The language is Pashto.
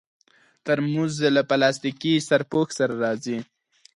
ترموز له پلاستيکي سرپوښ سره راځي.